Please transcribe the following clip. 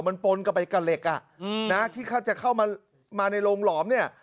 มันปล้นกลับไปกับเหล็กที่จะเข้ามาในโรงหลอม